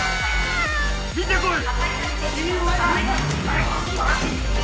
見て来い！